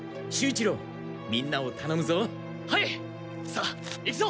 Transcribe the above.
さあ行くぞ！